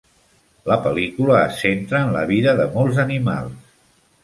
La pel·lícula es centra en la vida de molts animals.